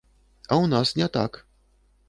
А ў нас не так.